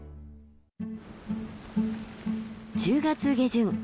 １０月下旬。